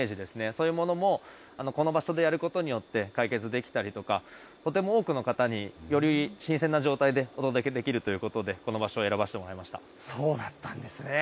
そういうものも、この場所でやることによって解決できたりとか、とても多くの方に、より新鮮な状態で、お届けできるということで、そうだったんですね。